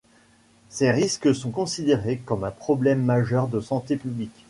Ces risques sont considérés comme un problème majeur de santé publique.